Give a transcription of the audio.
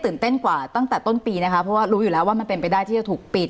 เต้นกว่าตั้งแต่ต้นปีนะคะเพราะว่ารู้อยู่แล้วว่ามันเป็นไปได้ที่จะถูกปิด